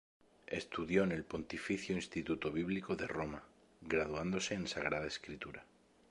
Estudió en el Pontificio Instituto Bíblico de Roma, graduándose en Sagrada Escritura.